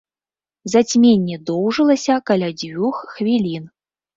Зацьменне доўжылася каля дзвюх хвілін.